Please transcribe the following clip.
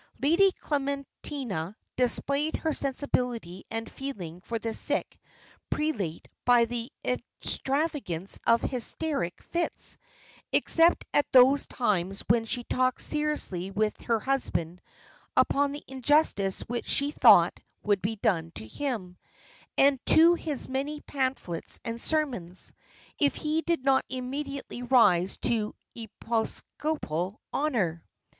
Lady Clementina displayed her sensibility and feeling for the sick prelate by the extravagance of hysteric fits; except at those times when she talked seriously with her husband upon the injustice which she thought would be done to him, and to his many pamphlets and sermons, if he did not immediately rise to episcopal honour.